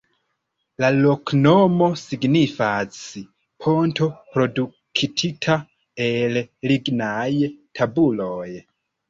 La loknomo signifas: "ponto produktita el lignaj tabuloj".